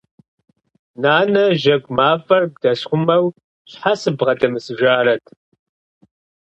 Нанэ, жьэгу мафӀэр бдэсхъумэу щхьэ сыббгъэдэмысыжарэт?!